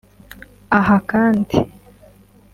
Aha kandi